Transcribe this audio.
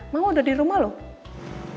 mama udah dirumah loh